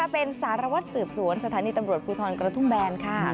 เป็นสารวัตรสืบสวนสถานีตำรวจภูทรกระทุ่มแบนค่ะ